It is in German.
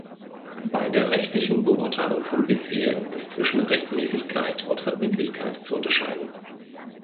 Bei der rechtlichen Beurteilung von Befehlen ist zwischen Rechtmäßigkeit und Verbindlichkeit zu unterscheiden.